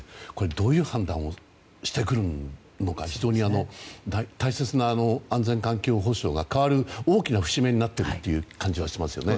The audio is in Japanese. どういう判断をしてくるのか非常に大切な安全環境保証が変わる大きな節目になっている感じはしますよね。